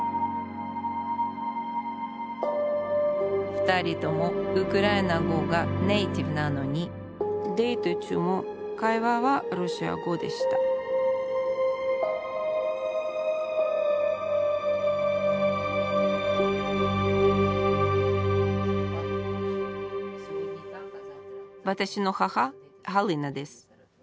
２人ともウクライナ語がネイティブなのにデート中も会話はロシア語でした私の母ハリナです。